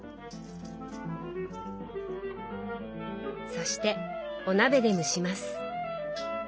そしてお鍋で蒸します。